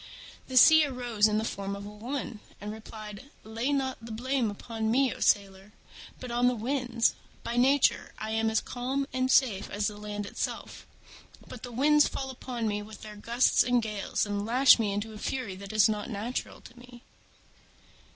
The Sea arose in the form of a woman, and replied, "Lay not the blame on me, O sailor, but on the Winds. By nature I am as calm and safe as the land itself: but the Winds fall upon me with their gusts and gales, and lash me into a fury that is not natural to me."